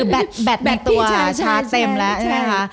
แบตในตัวชาร์จเต็มแล้ว